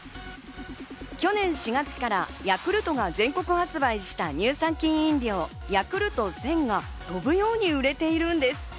去年４月からヤクルトが全国発売した乳酸菌飲料、ヤクルト１０００が飛ぶように売れているんです。